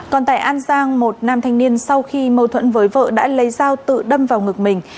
còn tại an giang một nam thanh niên sau khi mâu thuẫn với vợ đã lấy dao tự đâm vào ngực mình